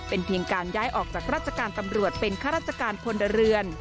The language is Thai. เป็นเพียงการย้ายออกจากราชการตำรวจเป็นข้าราชการพลเรือน